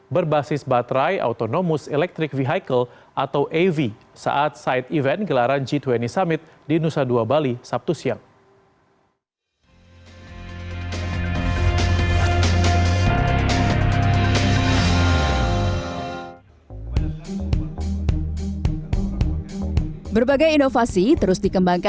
berbasis baterai autonomous electric vehicle atau av saat side event gelaran g dua puluh summit di nusa dua bali sabtu siang